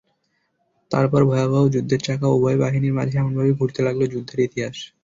তারপর ভয়াবহ যুদ্ধের চাকা উভয় বাহিনীর মাঝে এমন ভাবে ঘুরতে লাগল যুদ্ধের ইতিহাস।